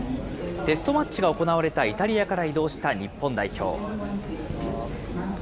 テストマッチが行われたイタリアから移動した日本代表。